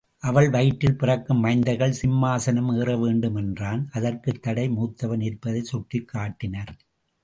அவள் வயிற்றில் பிறக்கும் மைந்தர்கள் சிம்மாசனம் ஏற வேண்டும் என்றான் அதற்குத்தடை மூத்தவன் இருப்பதைச் சுட்டிக்காட்டினர்.